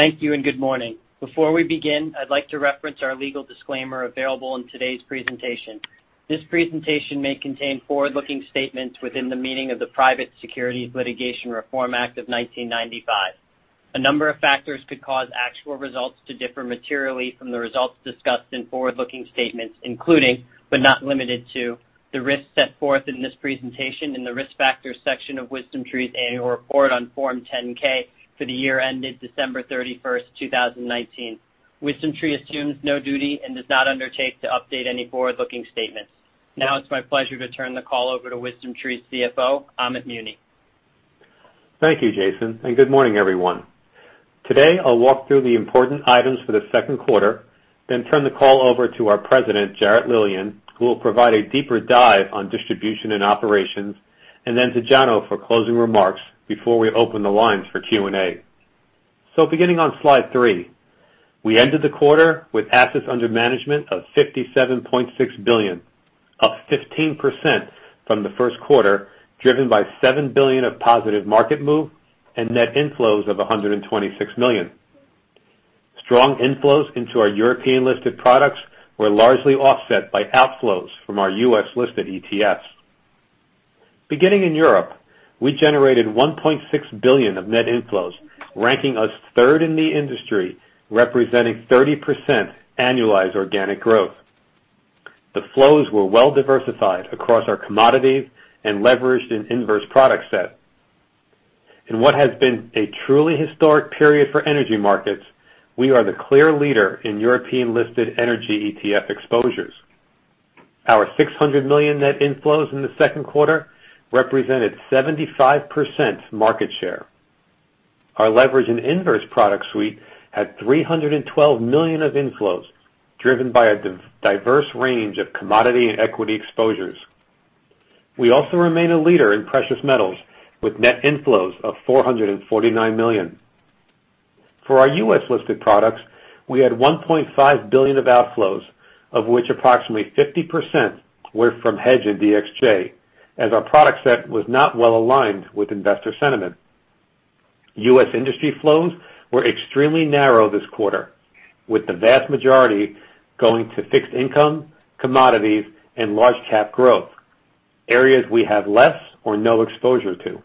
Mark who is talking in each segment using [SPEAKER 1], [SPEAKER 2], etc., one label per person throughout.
[SPEAKER 1] Thank you and good morning. Before we begin, I'd like to reference our legal disclaimer available in today's presentation. This presentation may contain forward-looking statements within the meaning of the Private Securities Litigation Reform Act of 1995. A number of factors could cause actual results to differ materially from the results discussed in forward-looking statements, including, but not limited to, the risks set forth in this presentation in the Risk Factors section of WisdomTree's annual report on Form 10-K for the year ended December 31st, 2019. WisdomTree assumes no duty and does not undertake to update any forward-looking statements. Now it's my pleasure to turn the call over to WisdomTree's CFO, Amit Muni.
[SPEAKER 2] Thank you, Jason, and good morning, everyone. Today, I'll walk through the important items for the second quarter, then turn the call over to our President, Jarrett Lilien, who will provide a deeper dive on distribution and operations, and then to Jono for closing remarks before we open the lines for Q&A. Beginning on slide three, we ended the quarter with assets under management of $57.6 billion, up 15% from the first quarter, driven by $7 billion of positive market move and net inflows of $126 million. Strong inflows into our European-listed products were largely offset by outflows from our U.S.-listed ETFs. Beginning in Europe, we generated $1.6 billion of net inflows, ranking us third in the industry, representing 30% annualized organic growth. The flows were well diversified across our commodity and leveraged and inverse product set. In what has been a truly historic period for energy markets, we are the clear leader in European-listed energy ETF exposures. Our $600 million net inflows in the second quarter represented 75% market share. Our leverage and inverse product suite had $312 million of inflows, driven by a diverse range of commodity and equity exposures. We also remain a leader in precious metals, with net inflows of $449 million. For our U.S.-listed products, we had $1.5 billion of outflows, of which approximately 50% were from HEDJ and DXJ, as our product set was not well aligned with investor sentiment. U.S. industry flows were extremely narrow this quarter, with the vast majority going to fixed income, commodities, and large cap growth, areas we have less or no exposure to.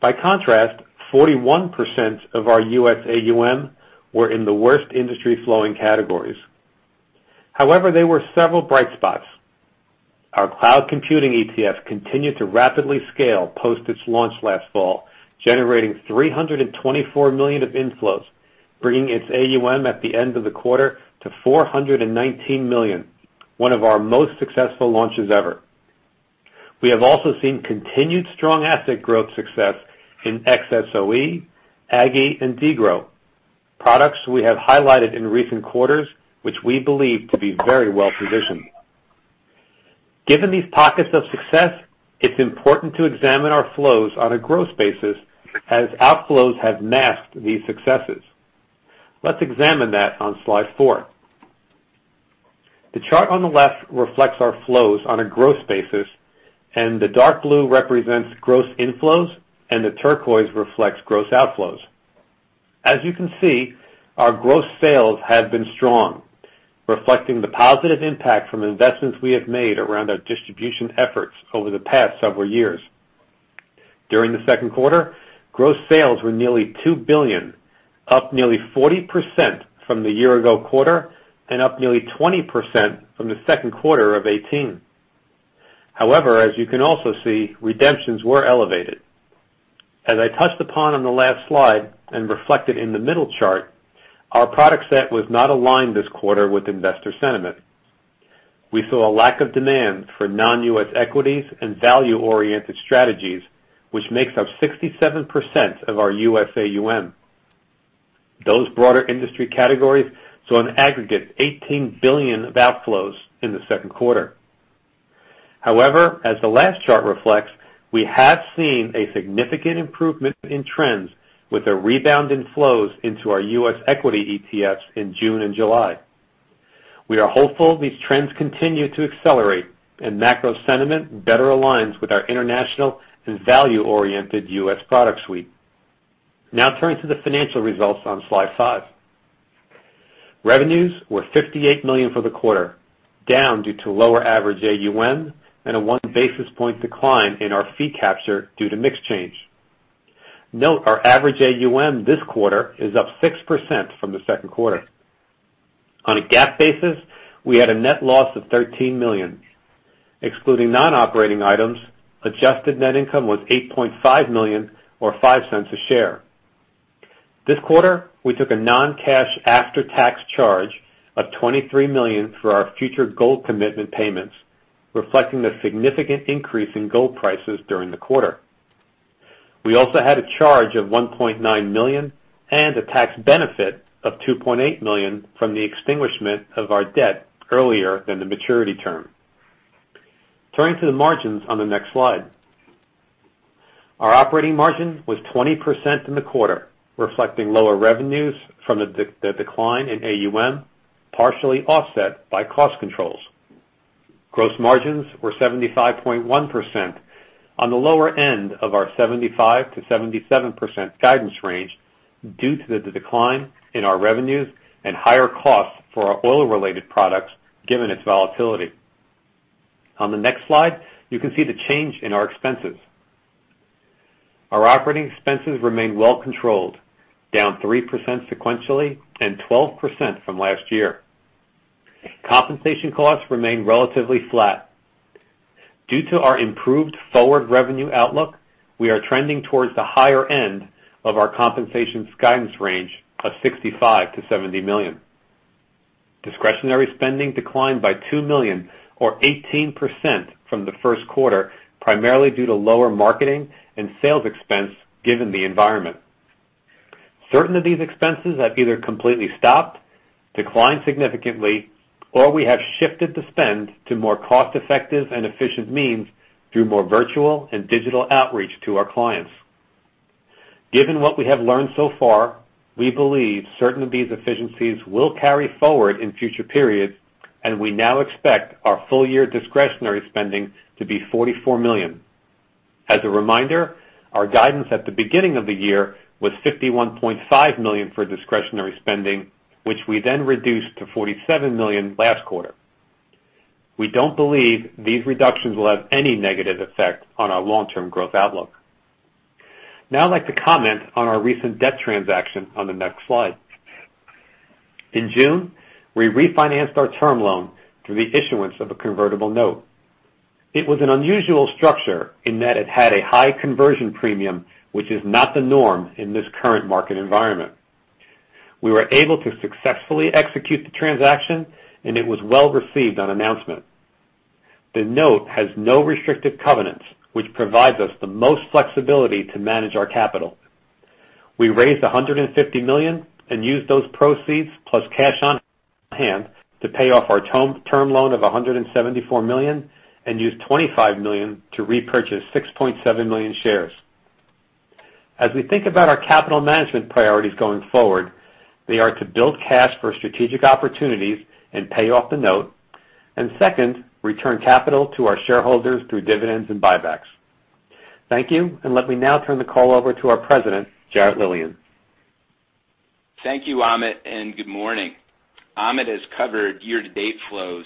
[SPEAKER 2] By contrast, 41% of our U.S. AUM were in the worst industry-flowing categories. However, there were several bright spots. Our cloud computing ETF continued to rapidly scale post its launch last fall, generating $324 million of inflows, bringing its AUM at the end of the quarter to $419 million, one of our most successful launches ever. We have also seen continued strong asset growth success in XSOE, AGG, and DGRO, products we have highlighted in recent quarters, which we believe to be very well-positioned. Given these pockets of success, it's important to examine our flows on a growth basis as outflows have masked these successes. Let's examine that on slide four. The chart on the left reflects our flows on a growth basis, and the dark blue represents gross inflows, and the turquoise reflects gross outflows. As you can see, our gross sales have been strong, reflecting the positive impact from investments we have made around our distribution efforts over the past several years. During the second quarter, gross sales were nearly $2 billion, up nearly 40% from the year-ago quarter and up nearly 20% from the second quarter of 2018. However, as you can also see, redemptions were elevated. As I touched upon on the last slide, and reflected in the middle chart, our product set was not aligned this quarter with investor sentiment. We saw a lack of demand for non-U.S. equities and value-oriented strategies, which makes up 67% of our USAUM. Those broader industry categories saw an aggregate $18 billion of outflows in the second quarter. However, as the last chart reflects, we have seen a significant improvement in trends with a rebound in flows into our U.S. equity ETFs in June and July. We are hopeful these trends continue to accelerate and macro sentiment better aligns with our international and value-oriented U.S. product suite. Now turning to the financial results on slide five. Revenues were $58 million for the quarter, down due to lower average AUM and a one basis point decline in our fee capture due to mix change. Note our average AUM this quarter is up 6% from the second quarter. On a GAAP basis, we had a net loss of $13 million. Excluding non-operating items, adjusted net income was $8.5 million or $0.05 a share. This quarter, we took a non-cash after-tax charge of $23 million for our future gold commitment payments, reflecting the significant increase in gold prices during the quarter. We also had a charge of $1.9 million and a tax benefit of $2.8 million from the extinguishment of our debt earlier than the maturity term. Turning to the margins on the next slide. Our operating margin was 20% in the quarter, reflecting lower revenues from the decline in AUM, partially offset by cost controls. Gross margins were 75.1%, on the lower end of our 75%-77% guidance range due to the decline in our revenues and higher costs for our oil-related products, given its volatility. On the next slide, you can see the change in our expenses. Our operating expenses remain well controlled, down 3% sequentially and 12% from last year. Compensation costs remain relatively flat. Due to our improved forward revenue outlook, we are trending towards the higher end of our compensation guidance range of $65 million-$70 million. Discretionary spending declined by $2 million, or 18%, from the first quarter, primarily due to lower marketing and sales expense given the environment. Certain of these expenses have either completely stopped, declined significantly, or we have shifted the spend to more cost-effective and efficient means through more virtual and digital outreach to our clients. Given what we have learned so far, we believe certain of these efficiencies will carry forward in future periods, and we now expect our full year discretionary spending to be $44 million. As a reminder, our guidance at the beginning of the year was $51.5 million for discretionary spending, which we then reduced to $47 million last quarter. We don't believe these reductions will have any negative effect on our long-term growth outlook. I'd like to comment on our recent debt transaction on the next slide. In June, we refinanced our term loan through the issuance of a convertible note. It was an unusual structure in that it had a high conversion premium, which is not the norm in this current market environment. We were able to successfully execute the transaction, and it was well received on announcement. The note has no restrictive covenants, which provides us the most flexibility to manage our capital. We raised $150 million and used those proceeds plus cash on hand to pay off our term loan of $174 million and used $25 million to repurchase 6.7 million shares. As we think about our capital management priorities going forward, they are to build cash for strategic opportunities and pay off the note, second, return capital to our shareholders through dividends and buybacks. Thank you. Let me now turn the call over to our president, Jarrett Lilien.
[SPEAKER 3] Thank you, Amit, and good morning. Amit has covered year-to-date flows.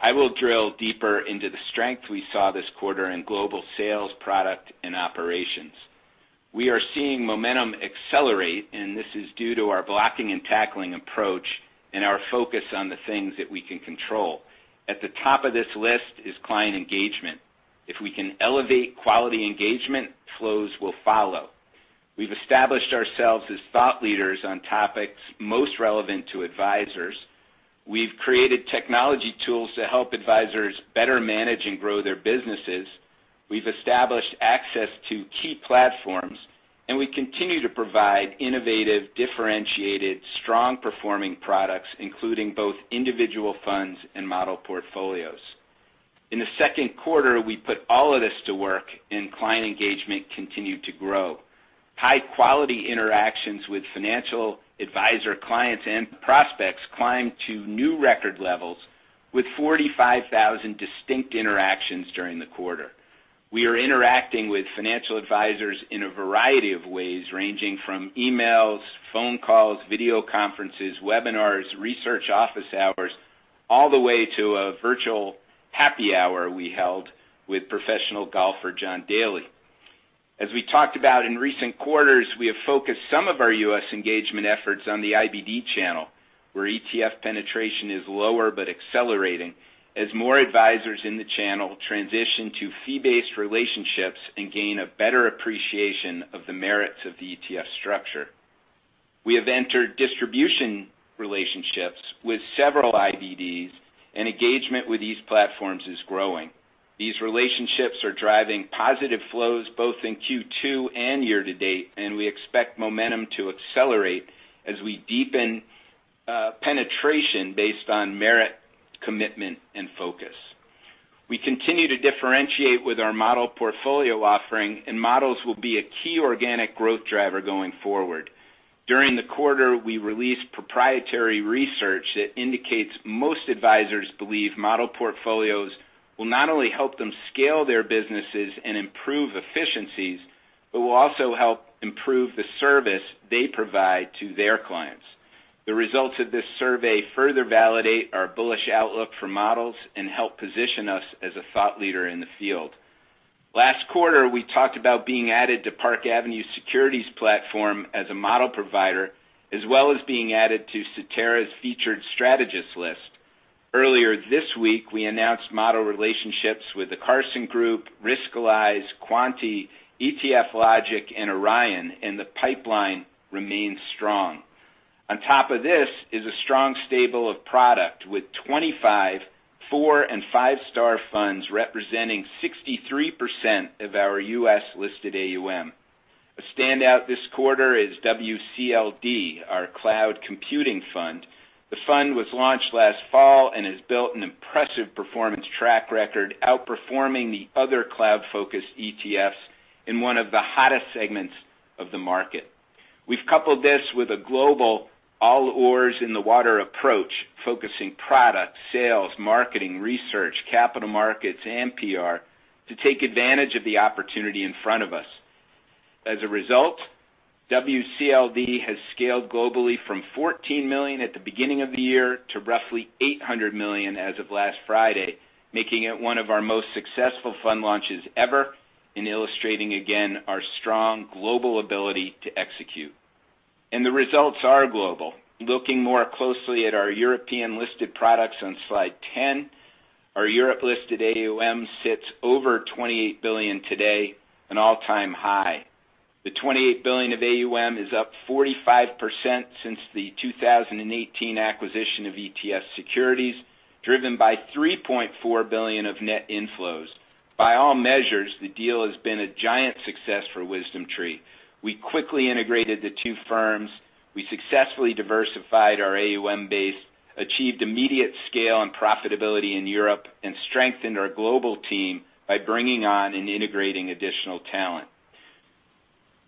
[SPEAKER 3] I will drill deeper into the strength we saw this quarter in global sales, product, and operations. We are seeing momentum accelerate, and this is due to our blocking and tackling approach and our focus on the things that we can control. At the top of this list is client engagement. If we can elevate quality engagement, flows will follow. We've established ourselves as thought leaders on topics most relevant to advisors. We've created technology tools to help advisors better manage and grow their businesses. We've established access to key platforms, and we continue to provide innovative, differentiated, strong-performing products, including both individual funds and model portfolios. In the second quarter, we put all of this to work and client engagement continued to grow. High-quality interactions with financial advisor clients and prospects climbed to new record levels with 45,000 distinct interactions during the quarter. We are interacting with financial advisors in a variety of ways, ranging from emails, phone calls, video conferences, webinars, research office hours, all the way to a virtual happy hour we held with professional golfer John Daly. As we talked about in recent quarters, we have focused some of our U.S. engagement efforts on the IBD channel, where ETF penetration is lower but accelerating as more advisors in the channel transition to fee-based relationships and gain a better appreciation of the merits of the ETF structure. We have entered distribution relationships with several IBDs, and engagement with these platforms is growing. These relationships are driving positive flows both in Q2 and year to date, and we expect momentum to accelerate as we deepen penetration based on merit, commitment, and focus. We continue to differentiate with our model portfolio offering, and models will be a key organic growth driver going forward. During the quarter, we released proprietary research that indicates most advisors believe model portfolios will not only help them scale their businesses and improve efficiencies, but will also help improve the service they provide to their clients. The results of this survey further validate our bullish outlook for models and help position us as a thought leader in the field. Last quarter, we talked about being added to Park Avenue Securities platform as a model provider, as well as being added to Cetera's featured strategist list. Earlier this week, we announced model relationships with the Carson Group, Riskalyze, Kwanti, ETFLogic, and Orion, and the pipeline remains strong. On top of this is a strong stable of product with 25, four and five-star funds representing 63% of our U.S. listed AUM. A standout this quarter is WCLD, our Cloud Computing Fund. The fund was launched last fall and has built an impressive performance track record, outperforming the other cloud-focused ETFs in one of the hottest segments of the market. We've coupled this with a global all oars in the water approach, focusing product, sales, marketing, research, capital markets, and PR to take advantage of the opportunity in front of us. As a result, WCLD has scaled globally from $14 million at the beginning of the year to roughly $800 million as of last Friday, making it one of our most successful fund launches ever and illustrating again our strong global ability to execute. The results are global. Looking more closely at our European-listed products on slide 10, our Europe-listed AUM sits over $28 billion today, an all-time high. The $28 billion of AUM is up 45% since the 2018 acquisition of ETF Securities, driven by $3.4 billion of net inflows. By all measures, the deal has been a giant success for WisdomTree. We quickly integrated the two firms, we successfully diversified our AUM base, achieved immediate scale and profitability in Europe, and strengthened our global team by bringing on and integrating additional talent.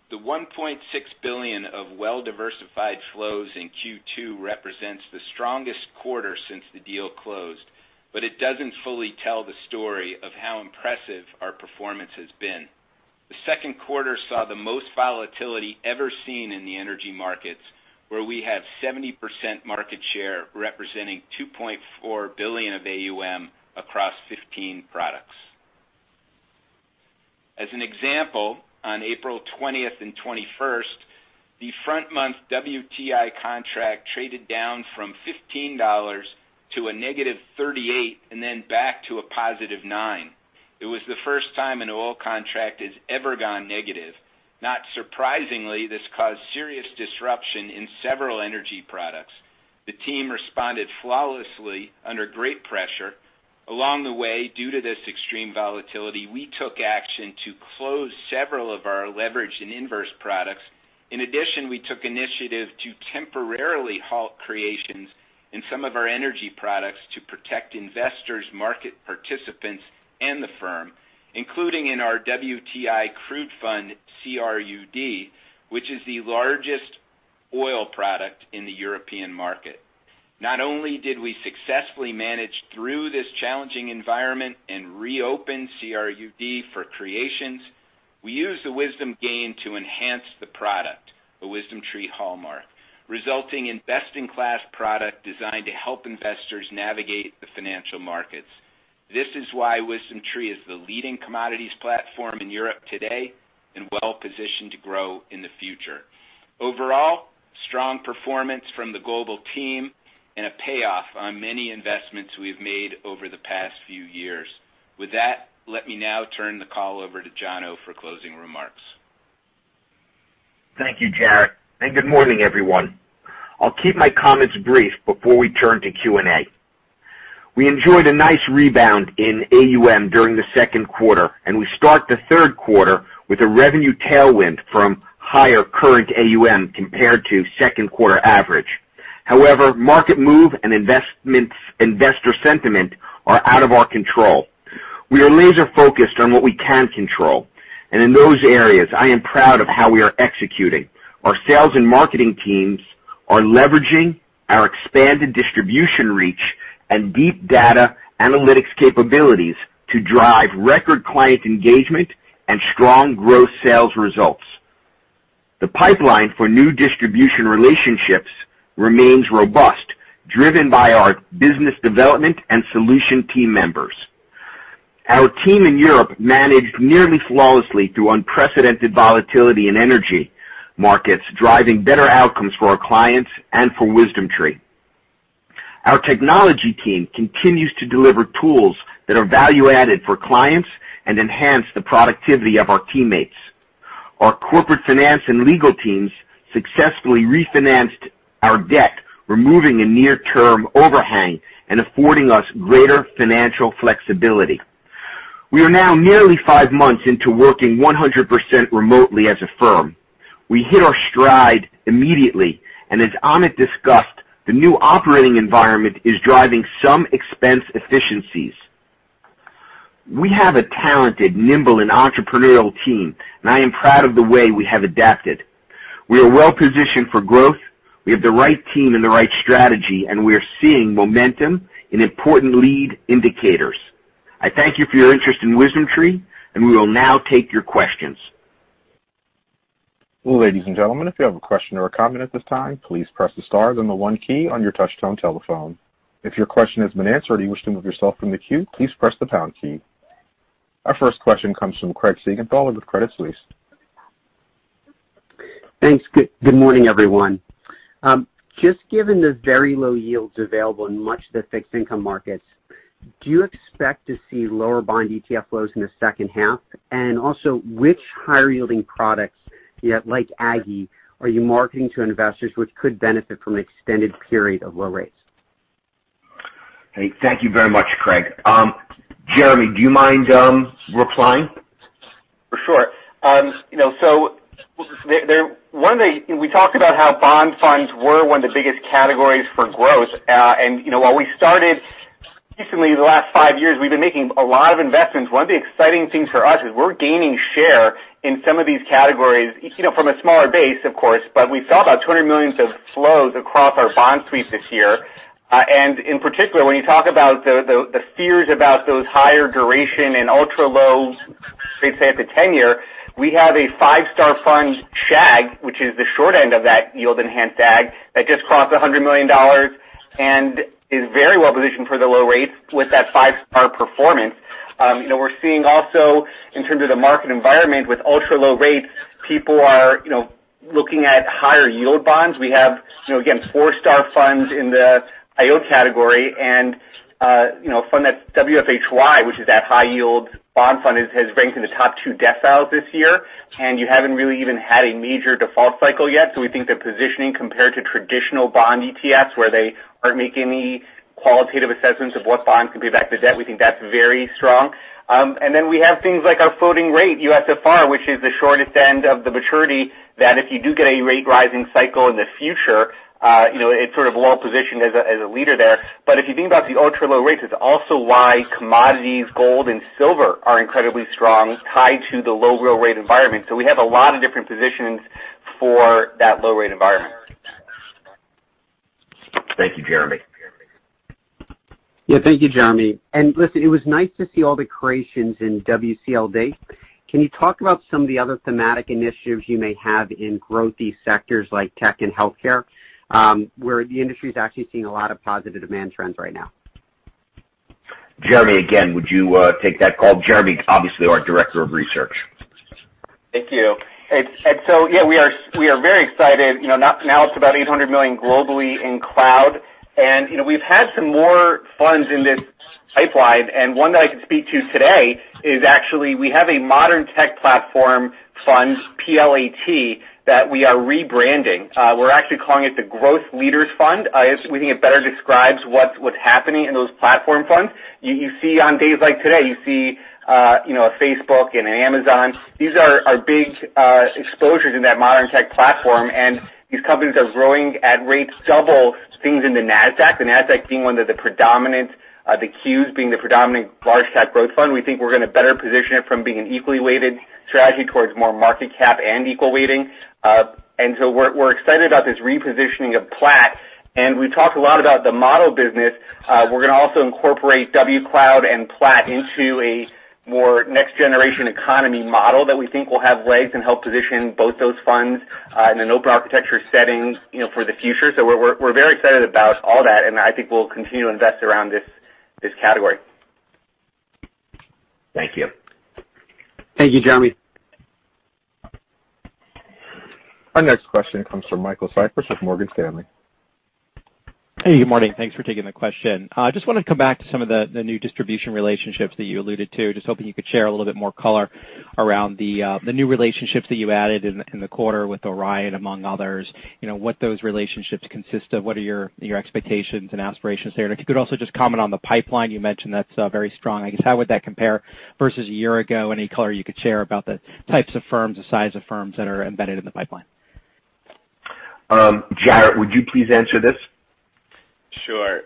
[SPEAKER 3] The $1.6 billion of well-diversified flows in Q2 represents the strongest quarter since the deal closed, it doesn't fully tell the story of how impressive our performance has been. The second quarter saw the most volatility ever seen in the energy markets, where we have 70% market share, representing $2.4 billion of AUM across 15 products. As an example, on April 20th and 21st, the front-month WTI contract traded down from $15 to -$38 and then back to +$9. It was the first time an oil contract has ever gone negative. Not surprisingly, this caused serious disruption in several energy products. The team responded flawlessly under great pressure. Along the way, due to this extreme volatility, we took action to close several of our leveraged and inverse products. In addition, we took initiative to temporarily halt creations in some of our energy products to protect investors, market participants, and the firm, including in our WTI Crude Fund, CRUD, which is the largest oil product in the European market. Not only did we successfully manage through this challenging environment and reopen CRUD for creations, we used the wisdom gained to enhance the product, the WisdomTree hallmark, resulting in best-in-class product designed to help investors navigate the financial markets. This is why WisdomTree is the leading commodities platform in Europe today and well-positioned to grow in the future. Overall, strong performance from the global team and a payoff on many investments we've made over the past few years. With that, let me now turn the call over to Jono for closing remarks.
[SPEAKER 4] Thank you, Jarrett, good morning, everyone. I'll keep my comments brief before we turn to Q&A. We enjoyed a nice rebound in AUM during the second quarter, and we start the third quarter with a revenue tailwind from higher current AUM compared to second quarter average. However, market move and investor sentiment are out of our control. We are laser-focused on what we can control. In those areas, I am proud of how we are executing. Our sales and marketing teams are leveraging our expanded distribution reach and deep data analytics capabilities to drive record client engagement and strong growth sales results. The pipeline for new distribution relationships remains robust, driven by our business development and solution team members. Our team in Europe managed nearly flawlessly through unprecedented volatility in energy markets, driving better outcomes for our clients and for WisdomTree. Our technology team continues to deliver tools that are value-added for clients and enhance the productivity of our teammates. Our corporate finance and legal teams successfully refinanced our debt, removing a near-term overhang and affording us greater financial flexibility. We are now nearly five months into working 100% remotely as a firm. We hit our stride immediately, and as Amit discussed, the new operating environment is driving some expense efficiencies. We have a talented, nimble, and entrepreneurial team, and I am proud of the way we have adapted. We are well-positioned for growth. We have the right team and the right strategy, and we are seeing momentum in important lead indicators. I thank you for your interest in WisdomTree, and we will now take your questions.
[SPEAKER 5] Ladies and gentlemen, if you have a question or a comment at this time, please press the star then the one key on your touch-tone telephone. If your question has been answered or you wish to remove yourself from the queue, please press the pound key. Our first question comes from Craig Siegenthaler with Credit Suisse.
[SPEAKER 6] Thanks. Good morning, everyone. Just given the very low yields available in much of the fixed income markets, do you expect to see lower bond ETF flows in the second half? Also, which higher-yielding products, like AGGY, are you marketing to investors which could benefit from an extended period of low rates?
[SPEAKER 4] Hey, thank you very much, Craig. Jeremy, do you mind replying?
[SPEAKER 7] For sure. We talked about how bond funds were one of the biggest categories for growth. While we started. Recently, the last five years, we've been making a lot of investments. One of the exciting things for us is we're gaining share in some of these categories, from a smaller base, of course, but we saw about $200 million of flows across our bond suite this year. In particular, when you talk about the fears about those higher duration and ultra low, they say, at the 10-year, we have a five-star fund, SHAG, which is the short end of that yield-enhanced AGG, that just crossed $100 million and is very well-positioned for the low rates with that five-star performance. We're seeing also, in terms of the market environment with ultra low rates, people are looking at higher yield bonds. We have, again, four-star funds in the IO category. A fund, that WFHY, which is that high yield bond fund, has ranked in the top two deciles this year. You haven't really even had a major default cycle yet. We think the positioning compared to traditional bond ETFs, where they aren't making any qualitative assessments of what bonds can be backed to debt, we think that's very strong. We have things like our floating rate, USFR, which is the shortest end of the maturity, that if you do get a rate-rising cycle in the future, it's sort of well-positioned as a leader there. If you think about the ultra-low rates, it's also why commodities, gold, and silver are incredibly strong, tied to the low real rate environment. We have a lot of different positions for that low rate environment.
[SPEAKER 4] Thank you, Jeremy.
[SPEAKER 6] Yeah. Thank you, Jeremy. Listen, it was nice to see all the creations in WCLD. Can you talk about some of the other thematic initiatives you may have in growth-y sectors like tech and healthcare, where the industry's actually seeing a lot of positive demand trends right now?
[SPEAKER 4] Jeremy, again, would you take that call? Jeremy, obviously, our Director of Research.
[SPEAKER 7] Thank you. Yeah, we are very excited. Now it's about $800 million globally in cloud. We've had some more funds in this pipeline, and one that I can speak to today is actually, we have a Modern Tech Platforms Fund, PLAT, that we are rebranding. We're actually calling it the Growth Leaders Fund. We think it better describes what's happening in those platform funds. You see on days like today, you see a Facebook and an Amazon. These are our big exposures in that Modern Tech Platforms, and these companies are growing at rates double things in the Nasdaq. The Q's being the predominant large-cap growth fund. We think we're going to better position it from being an equally weighted strategy towards more market cap and equal weighting. We're excited about this repositioning of PLAT. We've talked a lot about the model business. We're going to also incorporate WCLD and PLAT into a more next-generation economy model that we think will have legs and help position both those funds in an open architecture setting for the future. We're very excited about all that, and I think we'll continue to invest around this category.
[SPEAKER 4] Thank you.
[SPEAKER 6] Thank you, Jeremy.
[SPEAKER 5] Our next question comes from Michael Cyprys with Morgan Stanley.
[SPEAKER 8] Hey, good morning. Thanks for taking the question. I just wanted to come back to some of the new distribution relationships that you alluded to. Just hoping you could share a little bit more color around the new relationships that you added in the quarter with Orion, among others. What those relationships consist of, what are your expectations and aspirations there? If you could also just comment on the pipeline you mentioned that's very strong. I guess, how would that compare versus a year ago? Any color you could share about the types of firms, the size of firms that are embedded in the pipeline?
[SPEAKER 4] Jarrett, would you please answer this?
[SPEAKER 3] Sure.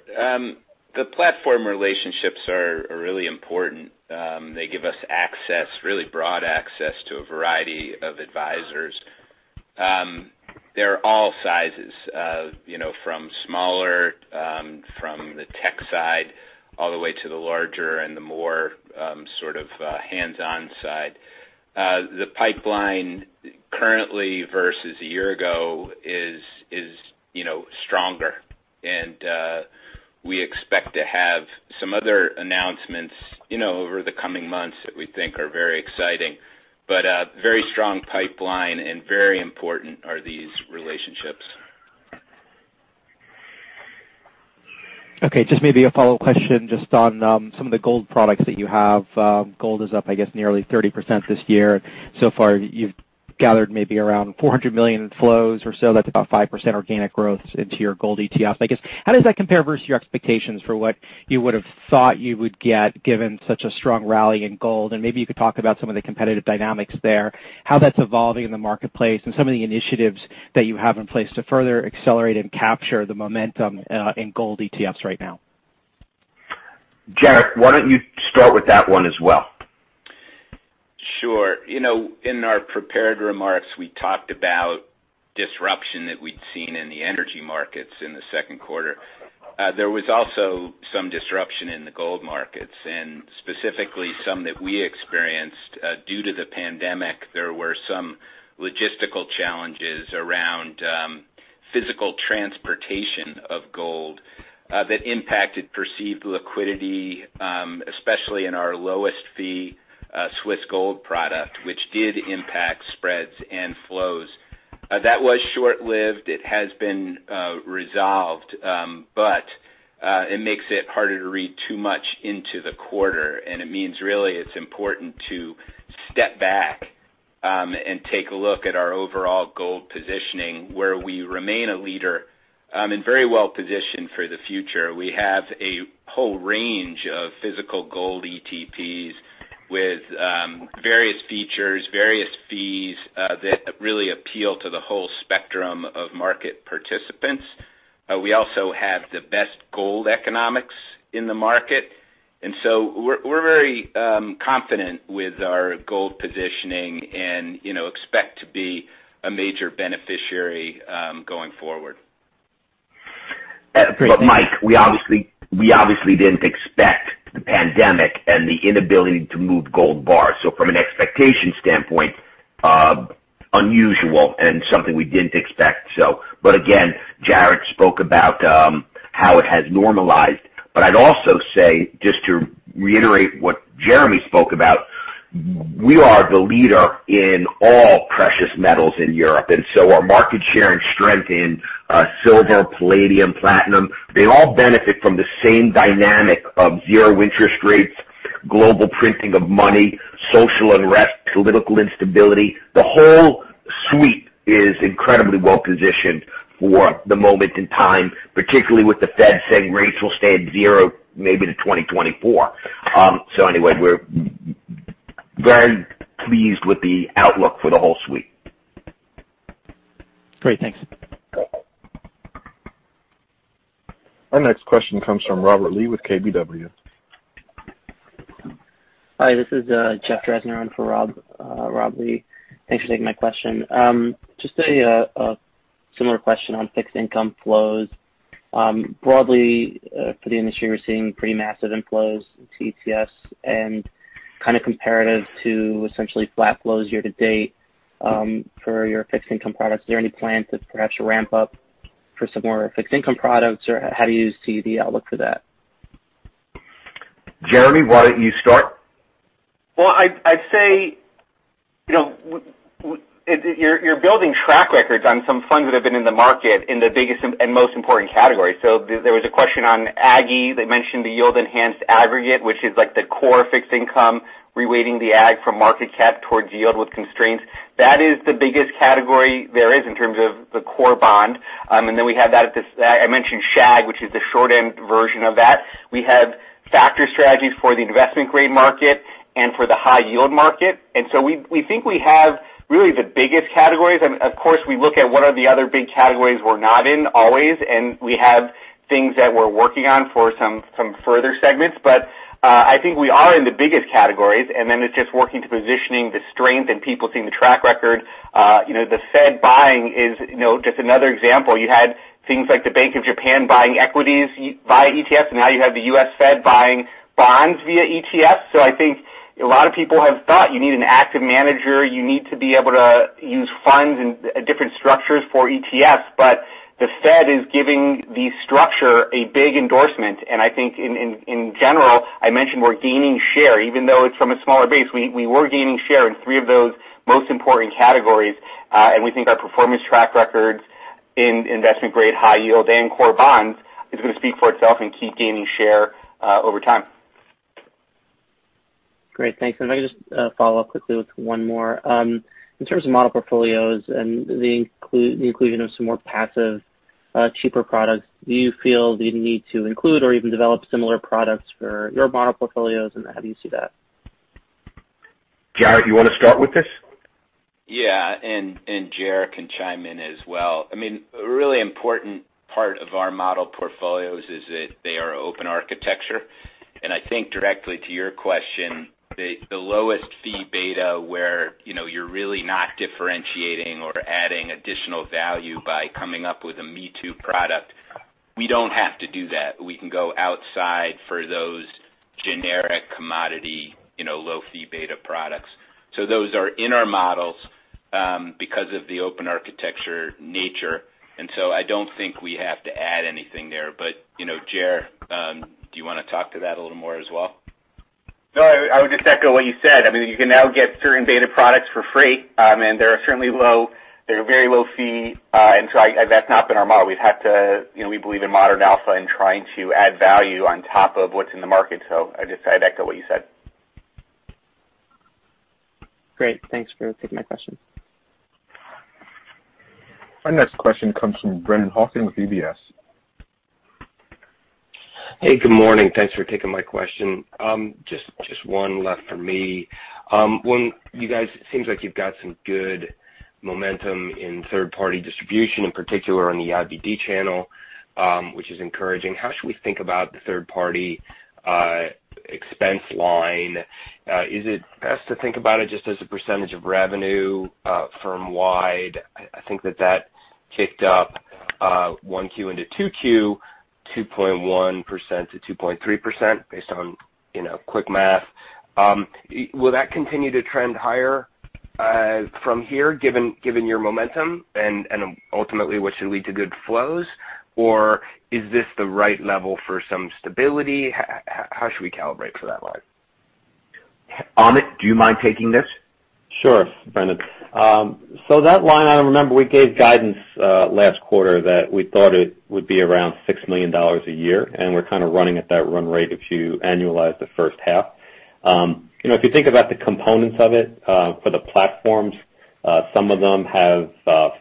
[SPEAKER 3] The platform relationships are really important. They give us access, really broad access, to a variety of advisors. They're all sizes, from smaller, from the tech side, all the way to the larger and the more sort of hands-on side. The pipeline currently versus a year ago is stronger, and we expect to have some other announcements over the coming months that we think are very exciting. A very strong pipeline and very important are these relationships.
[SPEAKER 8] Okay, just maybe a follow question, just on some of the gold products that you have. Gold is up, I guess, nearly 30% this year. So far, you've gathered maybe around $400 million in flows or so. That's about 5% organic growth into your gold ETFs. I guess, how does that compare versus your expectations for what you would have thought you would get, given such a strong rally in gold? Maybe you could talk about some of the competitive dynamics there, how that's evolving in the marketplace, and some of the initiatives that you have in place to further accelerate and capture the momentum in gold ETFs right now.
[SPEAKER 4] Jarrett, why don't you start with that one as well?
[SPEAKER 3] Sure. In our prepared remarks, we talked about disruption that we'd seen in the energy markets in the second quarter. There was also some disruption in the gold markets, and specifically some that we experienced due to the pandemic. There were some logistical challenges around physical transportation of gold that impacted perceived liquidity, especially in our lowest fee Swiss gold product, which did impact spreads and flows. That was short-lived. It has been resolved, but it makes it harder to read too much into the quarter, and it means, really, it's important to step back and take a look at our overall gold positioning, where we remain a leader and very well-positioned for the future. We have a whole range of physical gold ETPs with various features, various fees that really appeal to the whole spectrum of market participants. We also have the best gold economics in the market. We're very confident with our gold positioning and expect to be a major beneficiary going forward.
[SPEAKER 4] Mike, we obviously didn't expect the pandemic and the inability to move gold bars. From an expectation standpoint, unusual and something we didn't expect. Again, Jarrett spoke about how it has normalized. I'd also say, just to reiterate what Jeremy spoke about, we are the leader in all precious metals in Europe, and so our market share and strength in silver, palladium, platinum, they all benefit from the same dynamic of zero interest rates, global printing of money, social unrest, political instability. The whole suite is incredibly well-positioned for the moment in time, particularly with the Fed saying rates will stay at zero maybe to 2024. Anyway, we're very pleased with the outlook for the whole suite.
[SPEAKER 8] Great, thanks.
[SPEAKER 5] Our next question comes from Robert Lee with KBW.
[SPEAKER 9] Hi, this is Jeff Drezner in for Robert Lee. Thanks for taking my question. Just a similar question on fixed income flows. Broadly for the industry, we're seeing pretty massive inflows to ETFs and kind of comparative to essentially flat flows year to date for your fixed income products. Is there any plan to perhaps ramp up for some more fixed income products, or how do you see the outlook for that?
[SPEAKER 4] Jeremy, why don't you start?
[SPEAKER 7] I'd say, you're building track records on some funds that have been in the market in the biggest and most important categories. There was a question on AGGY. They mentioned the yield-enhanced agg, which is like the core fixed income, re-weighting the agg from market cap towards yield with constraints. That is the biggest category there is in terms of the core bond. We have that at the I mentioned SHAG, which is the short-end version of that. We have factor strategies for the investment-grade market and for the high-yield market. We think we have really the biggest categories. Of course, we look at what are the other big categories we're not in always, and we have things that we're working on for some further segments. I think we are in the biggest categories, and then it's just working to positioning the strength and people seeing the track record. The Fed buying is just another example. You had things like the Bank of Japan buying equities via ETF, and now you have the U.S. Fed buying bonds via ETF. I think a lot of people have thought you need an active manager, you need to be able to use funds and different structures for ETFs, the Fed is giving the structure a big endorsement. I think in general, I mentioned we're gaining share, even though it's from a smaller base. We were gaining share in three of those most important categories, we think our performance track records in investment-grade, high yield, and core bonds is going to speak for itself and keep gaining share over time.
[SPEAKER 9] Great, thanks. If I could just follow up quickly with one more. In terms of model portfolios and the inclusion of some more passive cheaper products, do you feel the need to include or even develop similar products for your model portfolios, and how do you see that?
[SPEAKER 4] Jarrett, you want to start with this?
[SPEAKER 3] Yeah, Jer can chime in as well. A really important part of our model portfolios is that they are open architecture. I think directly to your question, the lowest fee beta where you're really not differentiating or adding additional value by coming up with a me-too product, we don't have to do that. We can go outside for those generic commodity low fee beta products. Those are in our models because of the open architecture nature, I don't think we have to add anything there. Jer, do you want to talk to that a little more as well?
[SPEAKER 7] No, I would just echo what you said. You can now get certain beta products for free. They are very low fee. That's not been our model. We believe in Modern Alpha and trying to add value on top of what's in the market. I'd just echo what you said.
[SPEAKER 9] Great. Thanks for taking my question.
[SPEAKER 5] Our next question comes from Brennan Hawken with UBS.
[SPEAKER 10] Hey, good morning. Thanks for taking my question. Just one left for me. You guys, seems like you've got some good momentum in third-party distribution, in particular on the IBD channel, which is encouraging. How should we think about the third party expense line? Is it best to think about it just as a percentage of revenue firm wide? I think that that kicked up 1Q into 2Q, 2.1%-2.3%, based on quick math. Will that continue to trend higher from here, given your momentum, and ultimately, which should lead to good flows? Is this the right level for some stability? How should we calibrate for that line?
[SPEAKER 4] Amit, do you mind taking this?
[SPEAKER 2] Sure, Brennan. That line item, remember we gave guidance last quarter that we thought it would be around $6 million a year, we're kind of running at that run rate if you annualize the first half. If you think about the components of it for the platforms. Some of them have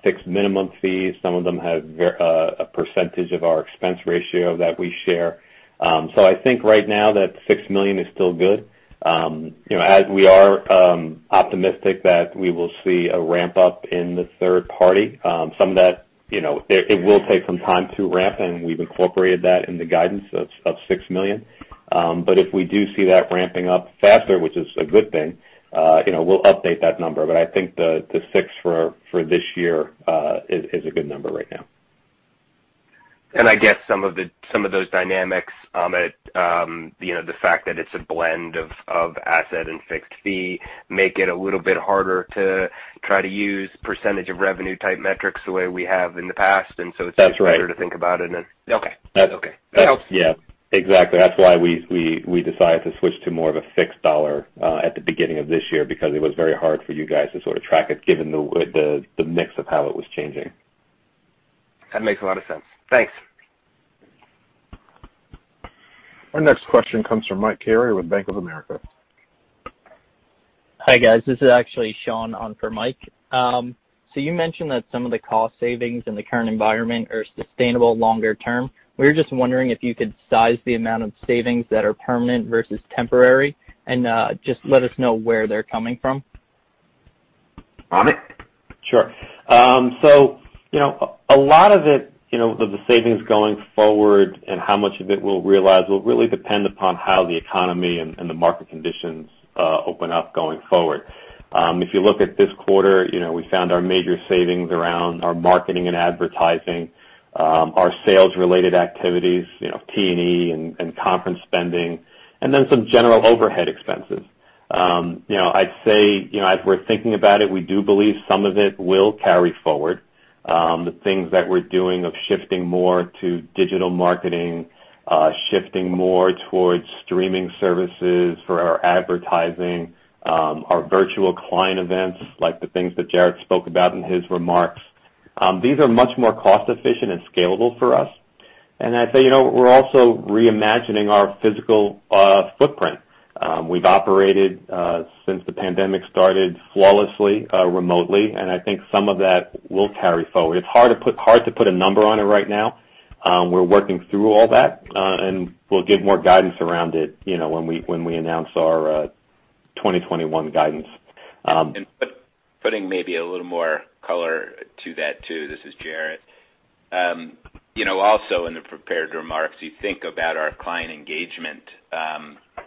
[SPEAKER 2] fixed minimum fees. Some of them have a percentage of our expense ratio that we share. I think right now that $6 million is still good. We are optimistic that we will see a ramp-up in the third party. Some of that, it will take some time to ramp, we've incorporated that in the guidance of $6 million. If we do see that ramping up faster, which is a good thing, we'll update that number. I think the six for this year is a good number right now.
[SPEAKER 10] I guess some of those dynamics, the fact that it's a blend of asset and fixed fee, make it a little bit harder to try to use percentage of revenue type metrics the way we have in the past easier to think about it in.
[SPEAKER 2] Okay. That helps. Yeah, exactly. That's why we decided to switch to more of a fixed dollar at the beginning of this year because it was very hard for you guys to sort of track it given the mix of how it was changing.
[SPEAKER 10] That makes a lot of sense. Thanks.
[SPEAKER 5] Our next question comes from Michael Carey with Bank of America.
[SPEAKER 11] Hi, guys. This is actually Sean on for Mike. You mentioned that some of the cost savings in the current environment are sustainable longer term. We're just wondering if you could size the amount of savings that are permanent versus temporary, and just let us know where they're coming from.
[SPEAKER 4] Amit?
[SPEAKER 2] A lot of it, the savings going forward and how much of it we'll realize will really depend upon how the economy and the market conditions open up going forward. If you look at this quarter, we found our major savings around our marketing and advertising, our sales-related activities, T&E and conference spending, and then some general overhead expenses. I'd say, as we're thinking about it, we do believe some of it will carry forward. The things that we're doing of shifting more to digital marketing, shifting more towards streaming services for our advertising, our virtual client events, like the things that Jarrett spoke about in his remarks. These are much more cost efficient and scalable for us. I'd say, we're also re-imagining our physical footprint. We've operated since the pandemic started flawlessly remotely, and I think some of that will carry forward. It's hard to put a number on it right now. We're working through all that, and we'll give more guidance around it when we announce our 2021 guidance.
[SPEAKER 3] Putting maybe a little more color to that, too. This is Jarrett. Also in the prepared remarks, you think about our client engagement.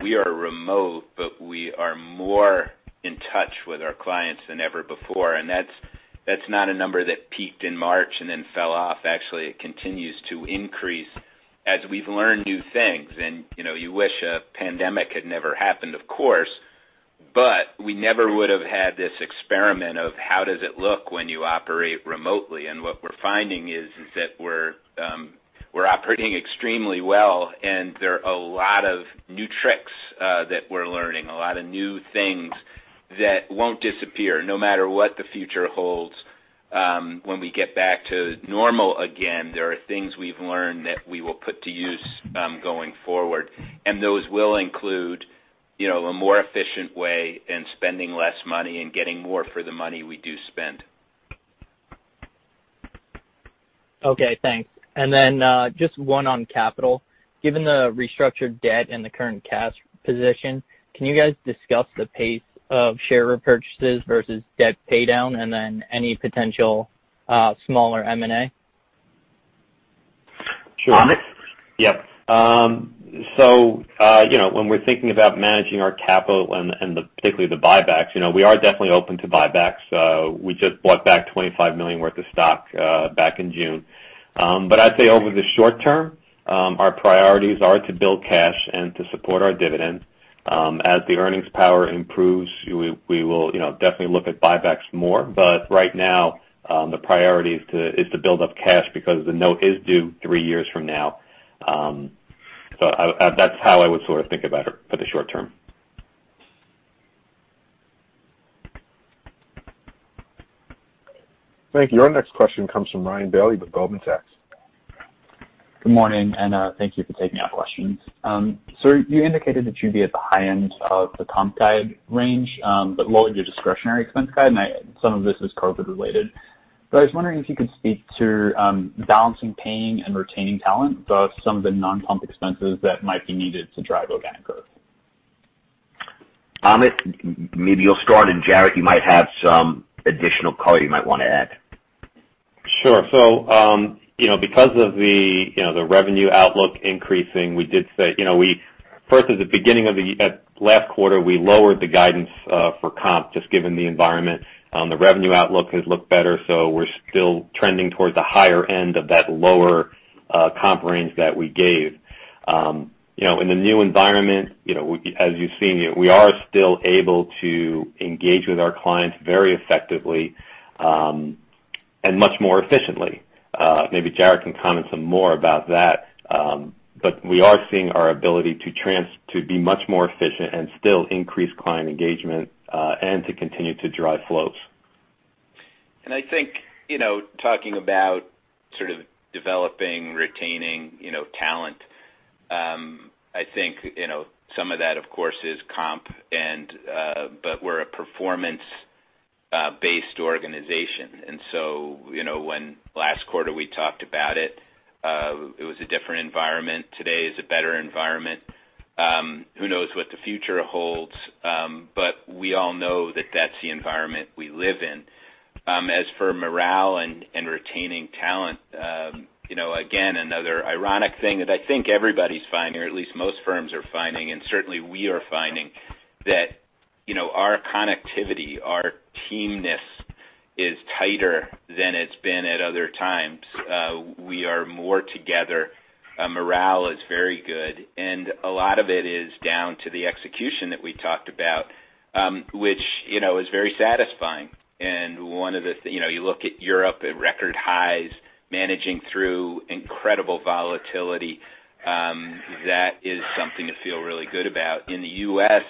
[SPEAKER 3] We are remote, but we are more in touch with our clients than ever before. That's not a number that peaked in March and then fell off. Actually, it continues to increase as we've learned new things. You wish a pandemic had never happened, of course, but we never would have had this experiment of how does it look when you operate remotely. What we're finding is that we're operating extremely well. There are a lot of new tricks that we're learning, a lot of new things that won't disappear, no matter what the future holds. When we get back to normal again, there are things we've learned that we will put to use going forward. Those will include a more efficient way and spending less money and getting more for the money we do spend.
[SPEAKER 11] Okay, thanks. Just one on capital. Given the restructured debt and the current cash position, can you guys discuss the pace of share repurchases versus debt paydown, and then any potential smaller M&A?
[SPEAKER 4] Sure. Amit?
[SPEAKER 2] Yep. When we're thinking about managing our capital and particularly the buybacks, we are definitely open to buybacks. We just bought back $25 million worth of stock back in June. I'd say over the short term, our priorities are to build cash and to support our dividend. As the earnings power improves, we will definitely look at buybacks more. Right now, the priority is to build up cash because the note is due three years from now. That's how I would sort of think about it for the short term.
[SPEAKER 5] Thank you. Our next question comes from Ryan Bailey with Goldman Sachs.
[SPEAKER 12] Good morning, and thank you for taking our questions. Sir, you indicated that you'd be at the high end of the comp guide range, but lowered your discretionary expense guide, and some of this is COVID related. I was wondering if you could speak to balancing paying and retaining talent versus some of the non-comp expenses that might be needed to drive organic growth.
[SPEAKER 4] Amit, maybe you'll start, and Jarrett, you might have some additional color you might want to add.
[SPEAKER 2] Sure. Because of the revenue outlook increasing, first, at the beginning of last quarter, we lowered the guidance for comp, just given the environment. The revenue outlook has looked better, we're still trending towards the higher end of that lower comp range that we gave. In the new environment, as you've seen, we are still able to engage with our clients very effectively and much more efficiently. Maybe Jarrett can comment some more about that. We are seeing our ability to be much more efficient and still increase client engagement, and to continue to drive flows.
[SPEAKER 3] I think, talking about sort of developing, retaining talent, I think some of that, of course, is comp, but we're a performance-based organization. When last quarter we talked about it was a different environment. Today is a better environment. Who knows what the future holds? We all know that that's the environment we live in. As for morale and retaining talent, again, another ironic thing that I think everybody's finding, or at least most firms are finding, and certainly we are finding, that our connectivity, our team-ness, is tighter than it's been at other times. We are more together. Morale is very good, a lot of it is down to the execution that we talked about, which is very satisfying. You look at Europe at record highs, managing through incredible volatility. That is something to feel really good about. In the U.S.,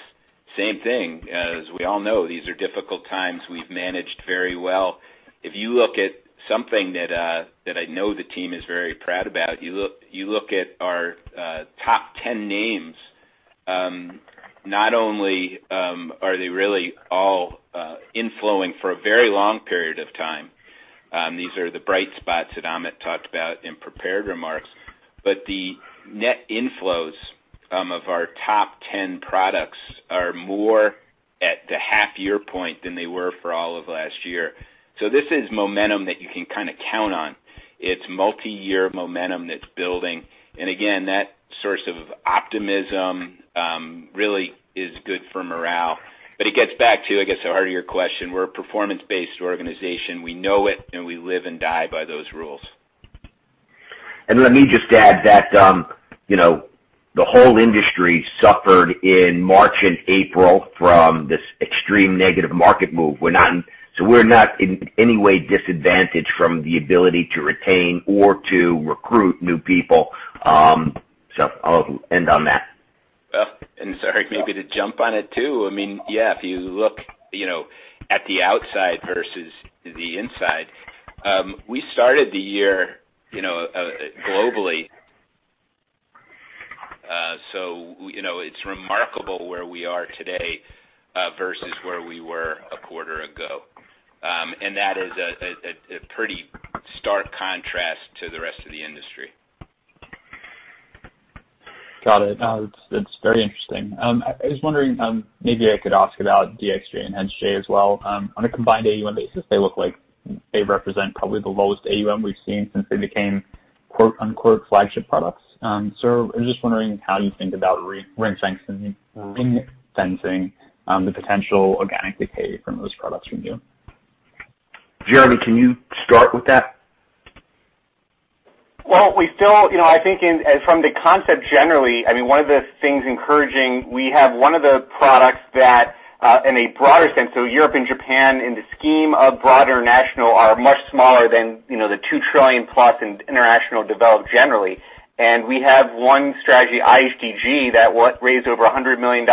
[SPEAKER 3] same thing. As we all know, these are difficult times. We've managed very well. If you look at something that I know the team is very proud about, you look at our top 10 names. Not only are they really all inflowing for a very long period of time, these are the bright spots that Amit talked about in prepared remarks, but the net inflows of our top 10 products are more at the half-year point than they were for all of last year. This is momentum that you can kind of count on. It's multi-year momentum that's building. Again, that source of optimism really is good for morale. It gets back to, I guess, the heart of your question. We're a performance-based organization. We know it, and we live and die by those rules.
[SPEAKER 4] Let me just add that the whole industry suffered in March and April from this extreme negative market move. We're not in any way disadvantaged from the ability to retain or to recruit new people. I'll end on that.
[SPEAKER 3] Sorry, maybe to jump on it too. If you look at the outside versus the inside, we started the year globally. It's remarkable where we are today versus where we were a quarter ago. That is a pretty stark contrast to the rest of the industry.
[SPEAKER 12] Got it. That's very interesting. I was wondering, maybe I could ask about DXJ and HEDJ as well. On a combined AUM basis, they look like they represent probably the lowest AUM we've seen since they became "flagship products". I'm just wondering how you think about [re-incenting] the potential organic decay from those products from you.
[SPEAKER 4] Jeremy, can you start with that?
[SPEAKER 7] I think from the concept generally, one of the things encouraging, we have one of the products that, in a broader sense, Europe and Japan in the scheme of broader international are much smaller than the $2 trillion-plus in international developed generally. We have one strategy, IHDG, that raised over $100 million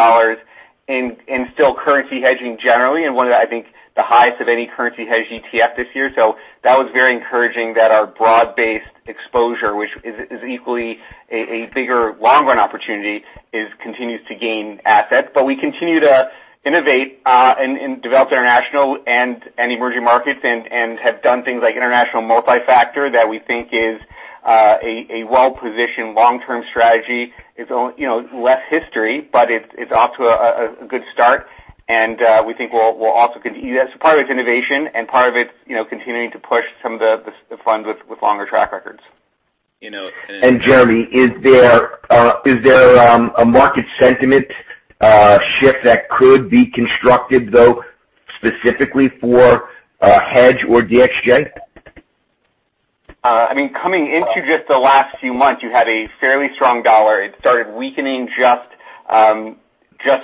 [SPEAKER 7] and still currency hedging generally, and I think the highest of any currency hedge ETF this year. That was very encouraging that our broad-based exposure, which is equally a bigger long-run opportunity, continues to gain assets. We continue to innovate in developed international and emerging markets, and have done things like international multi-factor that we think is a well-positioned long-term strategy. It's less history, but it's off to a good start, and we think we'll also continue. That's part of its innovation and part of its continuing to push some of the funds with longer track records
[SPEAKER 4] Jeremy, is there a market sentiment shift that could be constructed, though, specifically for Hedge or DXJ?
[SPEAKER 7] Coming into just the last few months, you had a fairly strong dollar. It started weakening just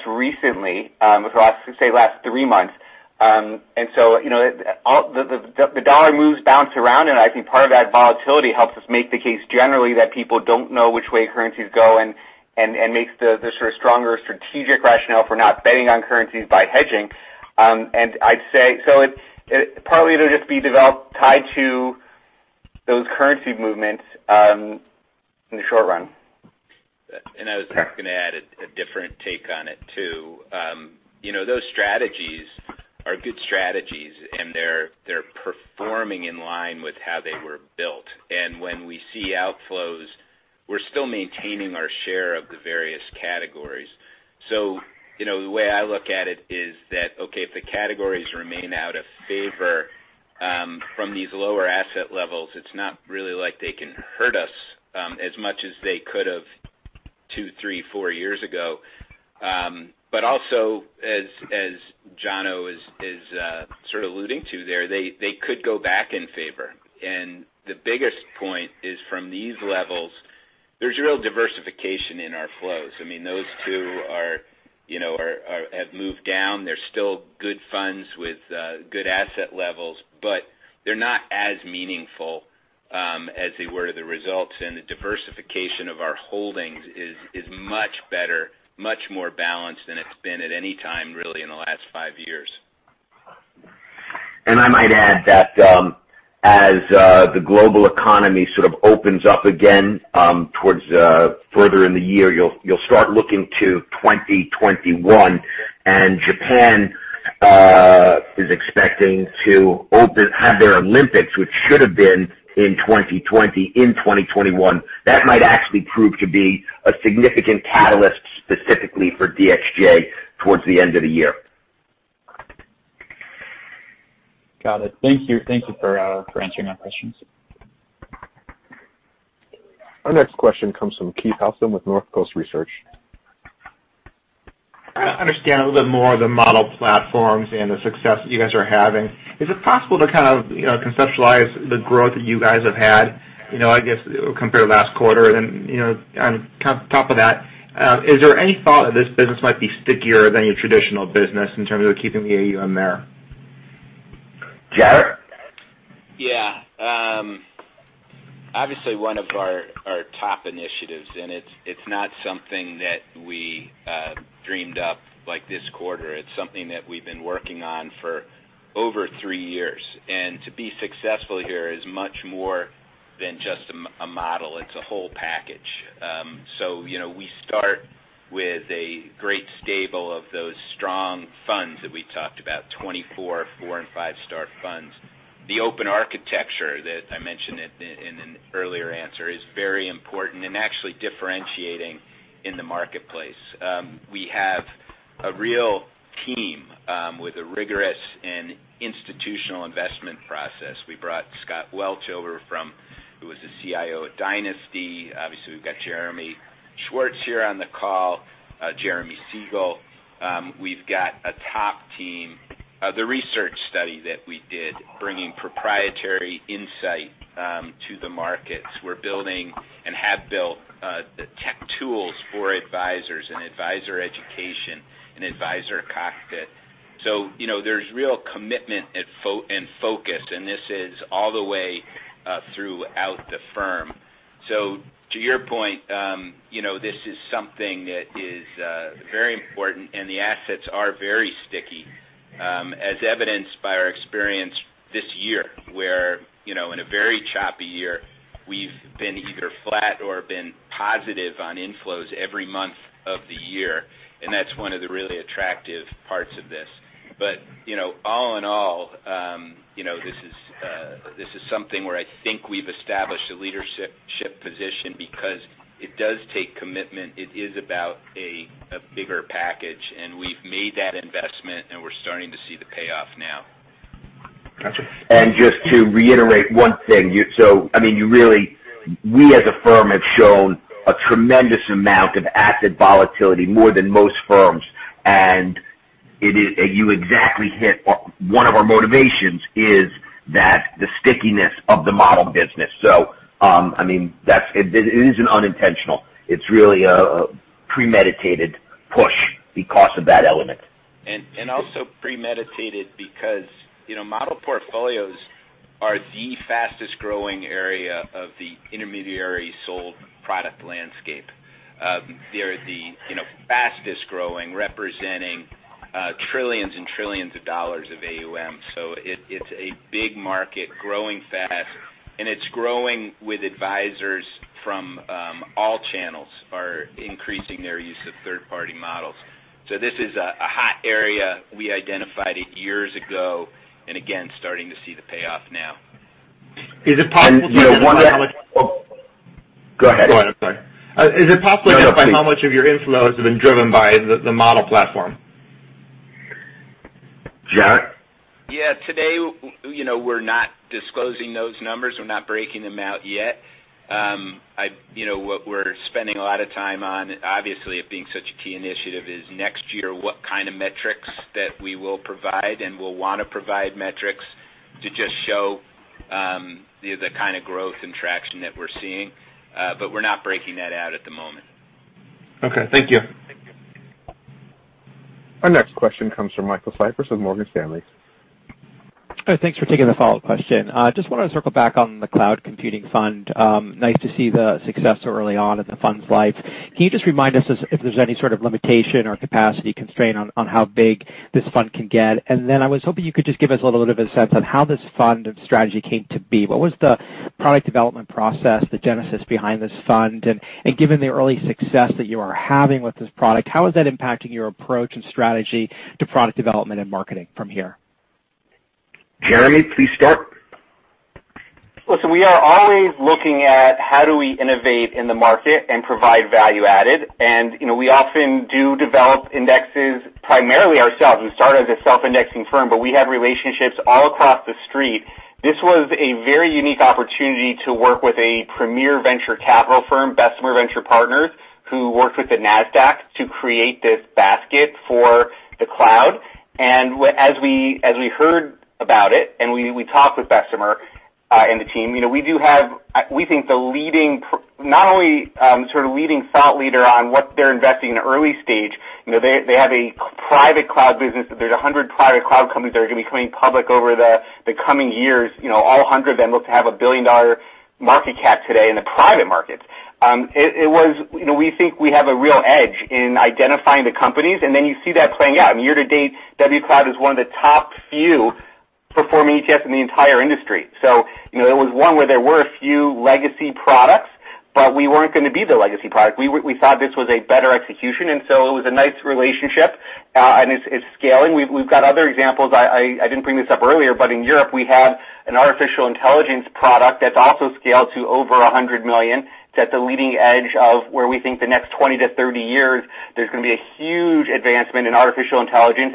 [SPEAKER 7] recently, say last three months. The dollar moves bounce around, and I think part of that volatility helps us make the case generally that people don't know which way currencies go and makes the sort of stronger strategic rationale for not betting on currencies by hedging. Partly it'll just be developed tied to those currency movements in the short run.
[SPEAKER 3] I was going to add a different take on it, too. Those strategies are good strategies, and they're performing in line with how they were built. When we see outflows, we're still maintaining our share of the various categories. The way I look at it is that, okay, if the categories remain out of favor from these lower asset levels, it's not really like they can hurt us as much as they could have two, three, four years ago. Also, as Jono is sort of alluding to there, they could go back in favor. The biggest point is from these levels, there's real diversification in our flows. Those two have moved down. They're still good funds with good asset levels, but they're not as meaningful as they were the results and the diversification of our holdings is much better, much more balanced than it's been at any time, really, in the last five years.
[SPEAKER 4] I might add that as the global economy sort of opens up again towards further in the year, you'll start looking to 2021, and Japan is expecting to have their Olympics, which should have been in 2020, in 2021. That might actually prove to be a significant catalyst, specifically for DXJ, towards the end of the year.
[SPEAKER 12] Got it. Thank you for answering my questions.
[SPEAKER 5] Our next question comes from Keith Halpin with North Coast Research.
[SPEAKER 13] I understand a little bit more of the model platforms and the success that you guys are having. Is it possible to kind of conceptualize the growth that you guys have had, I guess, compare to last quarter? On top of that, is there any thought that this business might be stickier than your traditional business in terms of keeping the AUM there?
[SPEAKER 4] Jarrett?
[SPEAKER 3] Yeah. Obviously one of our top initiatives, it's not something that we dreamed up, like this quarter. It's something that we've been working on for over three years. To be successful here is much more than just a model. It's a whole package. We start with a great stable of those strong funds that we talked about, 24 four and five-star funds. The open architecture that I mentioned in an earlier answer is very important and actually differentiating in the marketplace. We have a real team with a rigorous and institutional investment process. We brought Scott Welch over from, he was the CIO at Dynasty. Obviously, we've got Jeremy Schwartz here on the call, Jeremy Siegel. We've got a top team. The research study that we did, bringing proprietary insight to the markets. We're building and have built the tech tools for advisors and advisor education and advisor cockpit. There's real commitment and focus, and this is all the way throughout the firm. To your point, this is something that is very important, and the assets are very sticky. As evidenced by our experience this year, where in a very choppy year, we've been either flat or been positive on inflows every month of the year, and that's one of the really attractive parts of this. All in all, this is something where I think we've established a leadership position because it does take commitment. It is about a bigger package, and we've made that investment, and we're starting to see the payoff now.
[SPEAKER 13] Got you.
[SPEAKER 4] Just to reiterate one thing. We as a firm have shown a tremendous amount of asset volatility, more than most firms. You exactly hit one of our motivations is that the stickiness of the model business. It isn't unintentional. It's really a premeditated push because of that element.
[SPEAKER 3] Also premeditated because model portfolios are the fastest-growing area of the intermediary-sold product landscape. They're the fastest-growing, representing trillions and trillions of dollars of AUM. It's a big market, growing fast, and it's growing with advisors from all channels are increasing their use of third-party models. This is a hot area. We identified it years ago, and again, starting to see the payoff now.
[SPEAKER 13] Is it possible to identify?
[SPEAKER 4] Go ahead.
[SPEAKER 3] Go ahead. I'm sorry.
[SPEAKER 13] Is it possible to identify. How much of your inflows have been driven by the model platform?
[SPEAKER 4] Jarrett?
[SPEAKER 3] Yeah. Today, we're not disclosing those numbers. We're not breaking them out yet. What we're spending a lot of time on, obviously, it being such a key initiative, is next year, what kind of metrics that we will provide, and we'll want to provide metrics to just show the kind of growth and traction that we're seeing. We're not breaking that out at the moment.
[SPEAKER 13] Okay. Thank you.
[SPEAKER 5] Our next question comes from Michael Cyprys with Morgan Stanley.
[SPEAKER 8] Thanks for taking the follow-up question. I just wanted to circle back on the Cloud Computing Fund. Nice to see the success so early on in the fund's life. Can you just remind us if there's any sort of limitation or capacity constraint on how big this fund can get? I was hoping you could just give us a little bit of a sense on how this fund and strategy came to be. What was the product development process, the genesis behind this fund? Given the early success that you are having with this product, how is that impacting your approach and strategy to product development and marketing from here?
[SPEAKER 4] Jeremy, please start.
[SPEAKER 7] Listen, we are always looking at how do we innovate in the market and provide value added. We often do develop indexes primarily ourselves. We started as a self-indexing firm, but we have relationships all across the Street. This was a very unique opportunity to work with a premier venture capital firm, Bessemer Venture Partners, who worked with the Nasdaq to create this basket for the cloud. As we heard about it, and we talked with Bessemer and the team, We think the leading, not only leading thought leader on what they're investing in early stage. They have a private cloud business, there's 100 private cloud companies that are going to be coming public over the coming years. All 100 of them look to have a billion-dollar market cap today in the private market. We think we have a real edge in identifying the companies, and then you see that playing out. Year to date, WCLD is one of the top few performing ETFs in the entire industry. It was one where there were a few legacy products, but we weren't going to be the legacy product. It was a nice relationship, and it's scaling. We've got other examples. I didn't bring this up earlier, but in Europe, we have an artificial intelligence product that's also scaled to over $100 million. It's at the leading edge of where we think the next 20-30 years, there's going to be a huge advancement in artificial intelligence.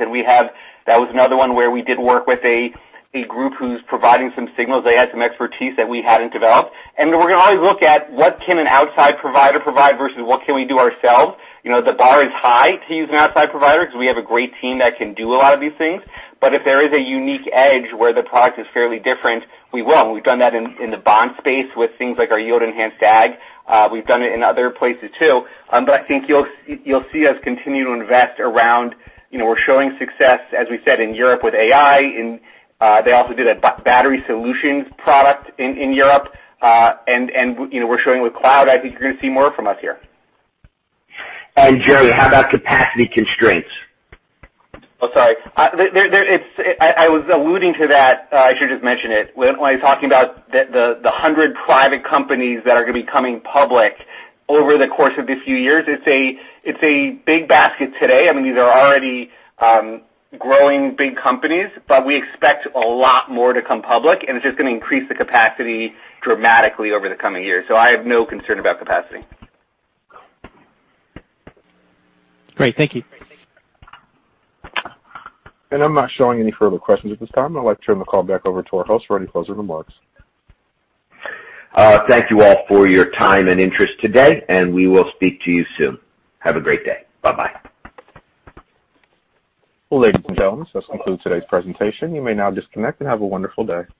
[SPEAKER 7] That was another one where we did work with a group who's providing some signals. They had some expertise that we hadn't developed. We're going to always look at what can an outside provider provide versus what can we do ourselves. The bar is high to use an outside provider because we have a great team that can do a lot of these things. If there is a unique edge where the product is fairly different, we will. We've done that in the bond space with things like our yield-enhanced agg. We've done it in other places, too. I think you'll see us continue to invest around We're showing success, as we said, in Europe with AI, and they also did a battery solutions product in Europe. We're showing with cloud, I think you're going to see more from us here.
[SPEAKER 4] Jeremy, how about capacity constraints?
[SPEAKER 7] Oh, sorry. I was alluding to that. I should just mention it. When I was talking about the 100 private companies that are going to be coming public over the course of a few years. It's a big basket today. These are already growing big companies, but we expect a lot more to come public, and it's just going to increase the capacity dramatically over the coming years. I have no concern about capacity.
[SPEAKER 8] Great. Thank you.
[SPEAKER 5] I'm not showing any further questions at this time. I'd like to turn the call back over to our host for any closing remarks.
[SPEAKER 4] Thank you all for your time and interest today, and we will speak to you soon. Have a great day. Bye-bye.
[SPEAKER 5] Well, ladies and gentlemen, this concludes today's presentation. You may now disconnect, and have a wonderful day.